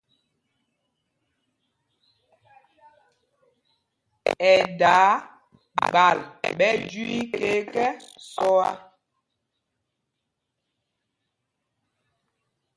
Ɛ daa gbal ɓɛ jüii iká ekɛ́ sɔa.